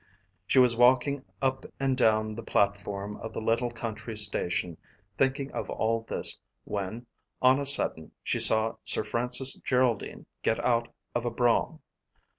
She was walking up and down the platform of the little country station thinking of all this when on a sudden she saw Sir Francis Geraldine get out of a brougham.